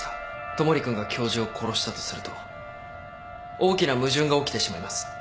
戸守君が教授を殺したとすると大きな矛盾が起きてしまいます。